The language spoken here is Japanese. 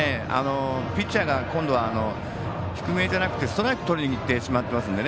ピッチャーが今度は低めじゃなくてストライクとりにいってしまっていますんで。